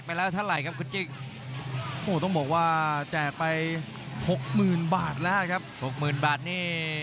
๔ไฟและแผง๒๐ไฟ